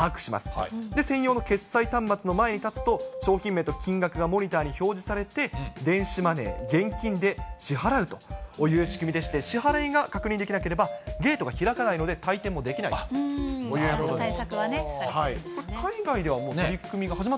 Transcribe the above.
そして専用の決済端末の前に立つと、商品名と金額がモニターに表示されて、電子マネー、現金で支払うという仕組みでして、支払いが確認できなければ、ゲートが開かないので退店もできないということです。